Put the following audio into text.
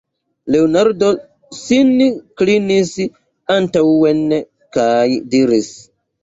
Leonardo sin klinis antaŭen kaj diris: